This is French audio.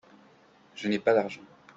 Je n'ai pas d'argent.